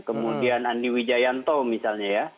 kemudian andi wijayanto misalnya ya